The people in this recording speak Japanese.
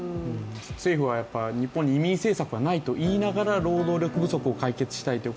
政府は日本に移民政策はないと言いながら労働力不足を解決したいという